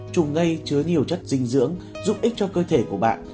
trùng ngay chứa nhiều chất dinh dưỡng giúp ích cho cơ thể của bạn